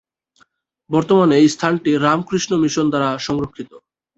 বর্তমানে এই স্থানটি রামকৃষ্ণ মিশন দ্বারা সংরক্ষিত।